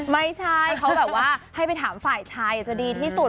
ไม่ใช่เขาแบบว่าให้ไปถามฝ่ายชายจะดีที่สุด